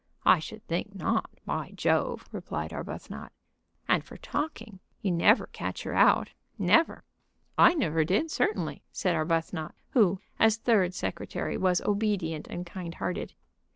"I should think not, by Jove!" replied Arbuthnot. "And for talking, you never catch her out; never." "I never did, certainly," said Arbuthnot, who, as third secretary, was obedient and kind hearted.